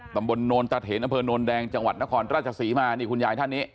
ตำบลโนรจัดเหตุอเผยโนรแดงจังหวัดนครราชสีมา